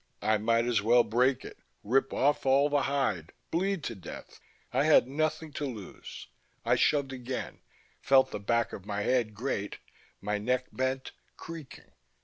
I might as well break it, rip off all the hide, bleed to death; I had nothing to lose. I shoved again, felt the back of my head grate; my neck bent, creaking